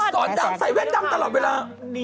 สอนลำถังใส่แว่นดำตลอดเวลา